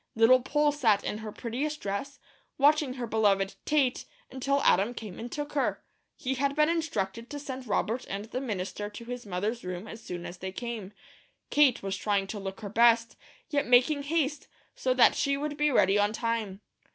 Little Poll sat in her prettiest dress, watching her beloved "Tate," until Adam came and took her. He had been instructed to send Robert and the minister to his mother's room as soon as they came. Kate was trying to look her best, yet making haste, so that she would be ready on time.